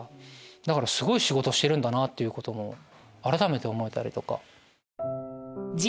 だからすごい仕事してるんだなってことも改めて思えたりとか。